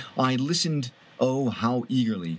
I listened — oh, how eagerly!